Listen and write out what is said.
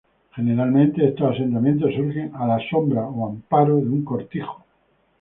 Generalmente, estos asentamientos surgen a la "sombra" o amparo de un cortijo.